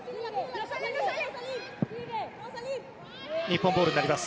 日本ボールになります。